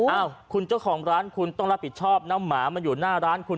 อ้าวคุณเจ้าของร้านคุณต้องรับผิดชอบนะหมามาอยู่หน้าร้านคุณ